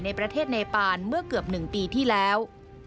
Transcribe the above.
ในประเทศเนปานเมื่อเกือบ๑ปีที่แล้ว